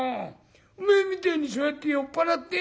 おめえみてえにそうやって酔っ払ってやんだよ。